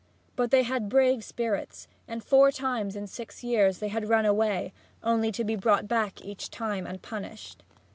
But they had brave spirits, and four times in six years they had run away, only to be brought back each time and punished.